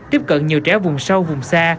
tiếp cận nhiều trẻ vùng sâu vùng xa